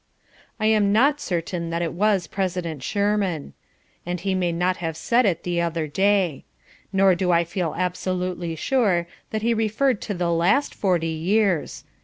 I am not certain that it was President Shurman. And he may not have said it the other day. Nor do I feel absolutely sure that he referred to the LAST forty years.